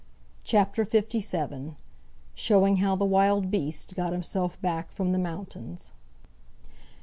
CHAPTER LVII. Showing How the Wild Beast Got Himself Back from the Mountains.